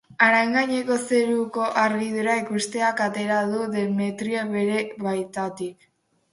Haran gaineko zeruko argidura ikusteak atera du Demetrio bere baitatik.